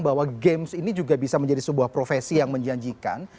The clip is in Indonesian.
bahwa games ini juga bisa menjadi sebuah profesi yang menjanjikan